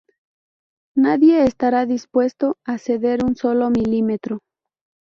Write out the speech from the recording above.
Nadie estará dispuesto a ceder un solo milímetro.